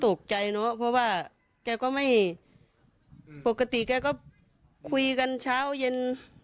เนอะเพราะว่าแกก็ไม่ปกติแกก็คุยกันเช้าเย็น